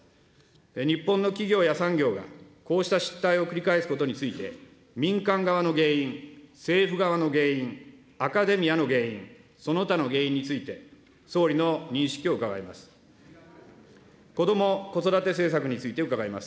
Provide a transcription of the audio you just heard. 日本の企業や産業は、こうした失態を繰り返すことについて、民間側の原因、政府側の原因、アカデミアの原因、その他の原因について、総理の認識を伺います。